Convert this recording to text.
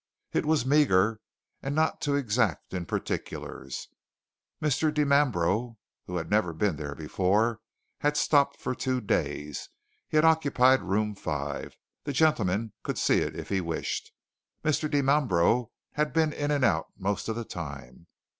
It was meagre, and not too exact in particulars. Mr. Dimambro, who had never been there before, had stopped two days. He had occupied Room 5 the gentleman could see it if he wished. Mr. Dimambro had been in and out most of the time.